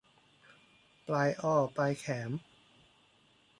ปลายอ้อปลายแขม